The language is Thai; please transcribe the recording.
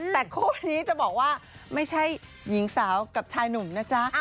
แต่คู่นี้จะบอกว่าไม่ใช่หญิงสาวกับชายหนุ่มนะจ๊ะ